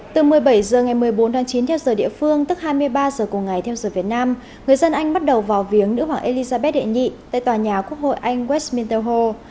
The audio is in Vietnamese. từ một mươi bảy h ngày một mươi bốn tháng chín theo giờ địa phương tức hai mươi ba giờ cùng ngày theo giờ việt nam người dân anh bắt đầu vào viếng nữ hoàng elizabeth đệ nhị tại tòa nhà quốc hội anh westminsteur ho